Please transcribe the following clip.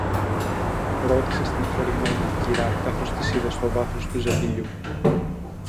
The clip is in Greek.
ρώτησε στενοχωρημένη η κυρά, καθώς τις είδε στο βάθος του ζεμπιλιού